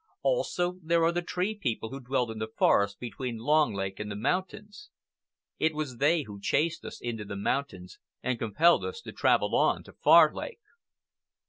Also, there are the Tree People who dwelt in the forest between Long Lake and the mountains. It was they who chased us into the mountains and compelled us to travel on to Far Lake.